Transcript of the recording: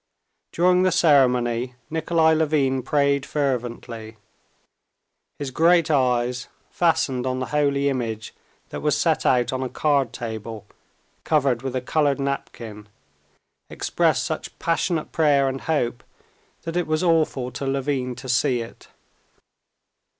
During the ceremony Nikolay Levin prayed fervently. His great eyes, fastened on the holy image that was set out on a card table covered with a colored napkin, expressed such passionate prayer and hope that it was awful to Levin to see it.